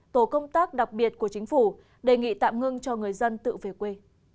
tổ công tác đặc biệt của chính phủ đề nghị tạm ngưng cho người dân tự về quê